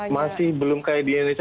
masih belum kayak di indonesia